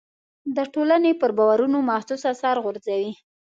د ټولنې پر باورونو محسوس اثر غورځوي.